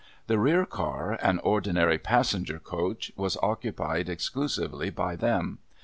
The rear car, an ordinary passenger coach, was occupied exclusively by them.